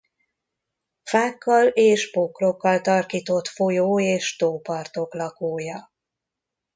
Fákkal és bokrokkal tarkított folyó- és tópartok lakója.